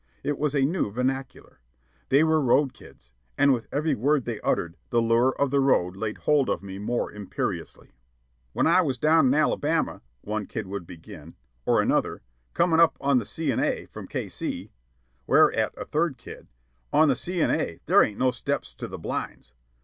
It was a new vernacular. They were road kids, and with every word they uttered the lure of The Road laid hold of me more imperiously. "When I was down in Alabama," one kid would begin; or, another, "Coming up on the C. & A. from K.C."; whereat, a third kid, "On the C. & A. there ain't no steps to the 'blinds.'"